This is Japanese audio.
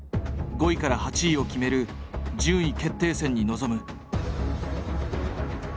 ５位から８位を決める順位決定戦に臨む。